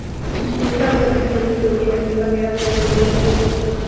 Esto hizo que Henry tuviera que cambiar a menudo de escuela.